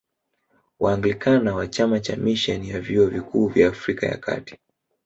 Waanglikana wa chama cha Misheni ya Vyuo Vikuu kwa Afrika ya Kati